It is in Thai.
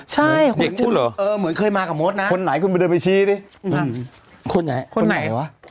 ใช่เหมือนเคยมากับมดนะคนไหนคุณไปเดินไปชี้ดิคนไหนคนไหนวะ